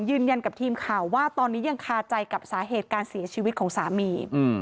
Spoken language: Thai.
ยืนยันกับทีมข่าวว่าตอนนี้ยังคาใจกับสาเหตุการเสียชีวิตของสามี